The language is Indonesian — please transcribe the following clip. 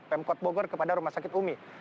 pemkot bogor kepada rumah sakit umi